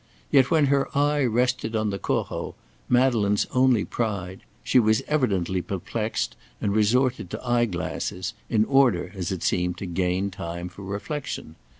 Yet when her eye rested on the Corot, Madeleine's only pride, she was evidently perplexed, and resorted to eye glasses, in order, as it seemed, to gain time for reflection.